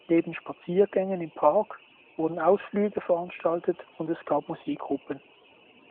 Neben Spaziergängen im Park wurden Ausflüge veranstaltet und es gab Musikgruppen.